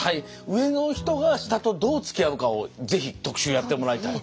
上の人が下とどうつきあうかをぜひ特集やってもらいたい。